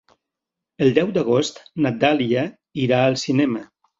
El deu d'agost na Dàlia irà al cinema.